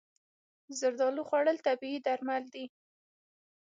زردالو خوړل طبیعي درمل دي.